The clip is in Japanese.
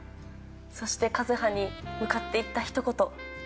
そして和葉に向かって言ったひと言。